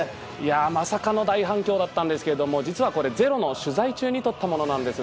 まさかの大反響だったんですけれども実はこれ「ｚｅｒｏ」の取材中に撮ったものなんです。